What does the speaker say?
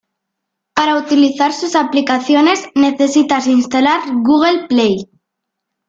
Para utilizar sus aplicaciones necesitas instalar Google play.